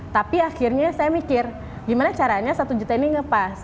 tapi akhirnya saya mikir gimana caranya satu juta ini ngepas